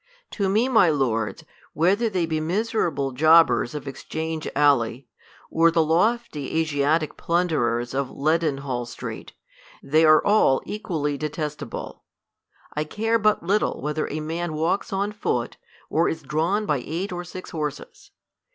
To me, my lords, whether they be miserable jobbers of Exchange Alley, or the lofty Asiatic plunderers of Leadenhall street, they are all equally detestable. I care but little whether a man walks on foot. Or is drawn by eight or six horses.